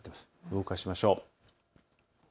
動かしましょう。